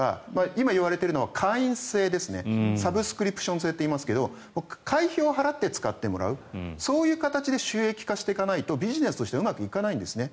今言われているのは会員制ですねサブスクリプション制ですが会費を払って使ってもらうそういう形で収益化していかないとビジネスでうまくいかないんですね。